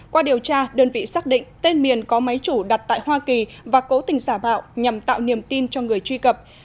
qua điều tra đơn vị xác định tên miền có máy chủ đặt tại hoa kỳ và cố tình giả bạo nhằm tạo niềm tin cho người truy cập